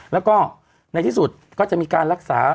แล้วก็ในที่สุดก็จะมีการรักษา